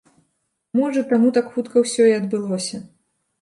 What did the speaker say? Можа, таму так хутка ўсё і адбылося.